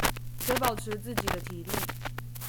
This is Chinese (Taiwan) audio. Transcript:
且保持自己的體力